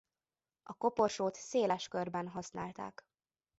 A koporsót széles körben használták.